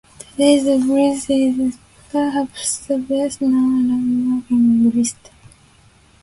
Today the bridge is perhaps the best known landmark in Bristol.